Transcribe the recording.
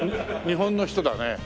日本の人だね。